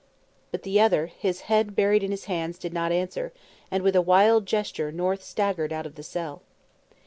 But the other, his head buried in his hands, did not answer, and with a wild gesture North staggered out of the cell.